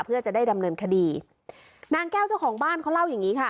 เพื่อจะได้ดำเนินคดีนางแก้วเจ้าของบ้านเขาเล่าอย่างงี้ค่ะ